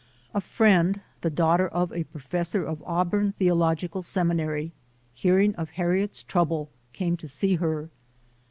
A friend, the daughter of a professor of Auburn Theological Seminary, hearing of Harriet's trouble, came to see her.